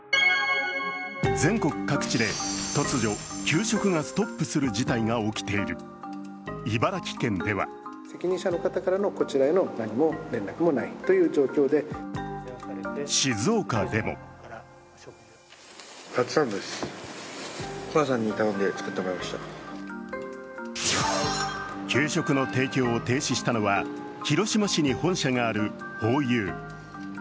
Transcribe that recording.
全国各地で突如、給食がストップする事態が起きている、茨城県では静岡でも給食の提供を停止したのは、広島市に本社があるホーユー。